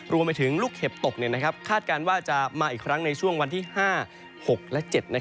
รวมไปถึงลูกเห็บตกคาดการณ์ว่าจะมาอีกครั้งในช่วงวันที่๕๖และ๗